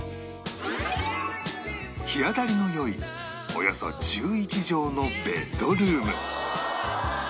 日当たりの良いおよそ１１畳のベッドルーム